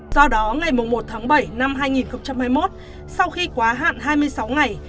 do đó ngày một tháng bảy năm hai nghìn hai mươi một sau khi quá hạn hai mươi sáu ngày